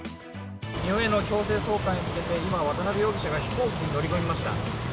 日本への強制送還につれて２人の容疑者が飛行機に乗り込みました。